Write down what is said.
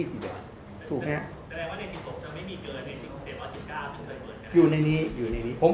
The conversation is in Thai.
แสดงว่าใน๑๖จะไม่มีเงินใน๑๙จะมีเงิน